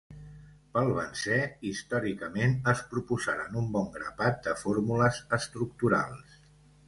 Pel benzè, històricament es proposaren un bon grapat de fórmules estructurals.